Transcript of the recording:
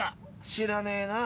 知らねえな。